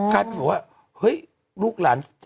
กลายเป็นบอกว่าเฮ้ยลูกหลาน